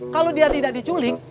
kalau dia tidak diculik